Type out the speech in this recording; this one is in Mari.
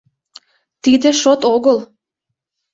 Тиде шот огыл.